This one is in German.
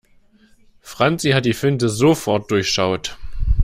Franzi hat die Finte sofort durchschaut.